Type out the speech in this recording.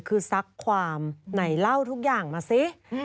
คือซักความไหนเล่าทุกอย่างมาสิ